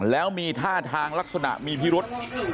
แล้วมีท่าทางลักษณะมีพิรุษ